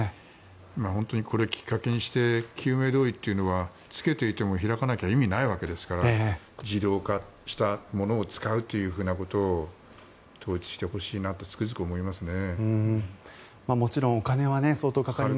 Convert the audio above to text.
本当に、これをきっかけにして救命胴衣というのは着けていても開かなきゃ意味ないわけですから自動化したものを使うということを統一してほしいなとつくづく思いますね。